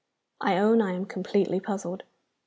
I own I am completely puzzled.